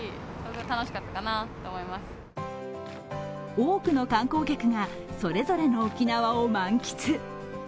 多くの観光客がそれぞれの沖縄を満喫。